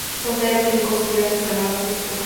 Soltero, dedicó su vida a sus hermanos y a su profesión.